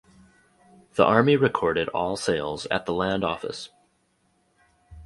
The army recorded all sales at the land office.